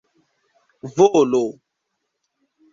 volo